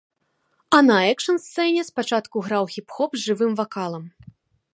А на экшн-сцэне спачатку граў хіп-хоп з жывым вакалам.